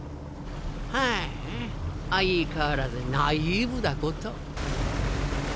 はぁ相変わらずナイーブだこと。